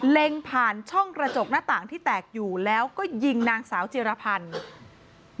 เล็งผ่านช่องกระจกหน้าต่างที่แตกอยู่แล้วก็ยิงนางสาวจิรพันธ์